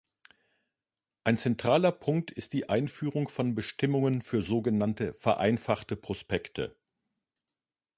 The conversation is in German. Ein zentraler Punkt ist die Einführung von Bestimmungen für sogenannte vereinfachte Prospekte.